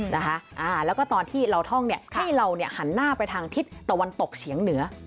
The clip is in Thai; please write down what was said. แล้วก็ตอนที่เราท่องเนี่ยให้เราเนี่ยหันหน้าไปทางทิศตะวันตกเฉียงเหนือ